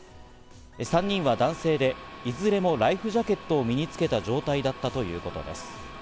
３人は男性で、いずれもライフジャケットを身につけた状態だったということです。